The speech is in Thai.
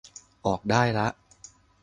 ออกได้ละ